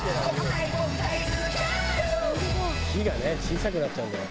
火がね小さくなっちゃうんだよ。